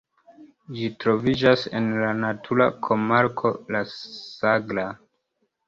Ĝi troviĝas en la natura komarko La Sagra.